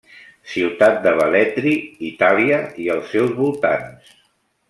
Ciutat de Velletri, Itàlia, i els seus voltants.